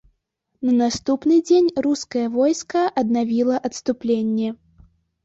На наступны дзень рускае войска аднавіла адступленне.